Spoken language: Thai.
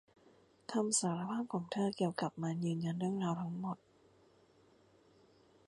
คำสารภาพของเธอเกี่ยวกับมันยืนยันเรื่องราวทั้งหมด